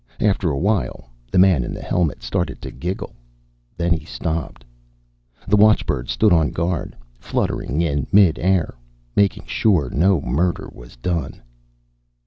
After a while, the man in the helmet started to giggle. Then he stopped. The watchbird stood on guard, fluttering in mid air Making sure no murder was done.